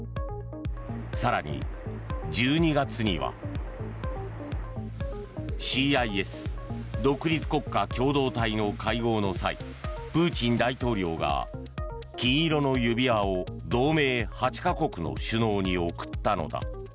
更に、１２月にはＣＩＳ・独立国家共同体の会合の際、プーチン大統領が金色の指輪を同盟８か国の首脳に贈ったのだ。